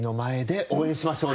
熱く応援しましょう。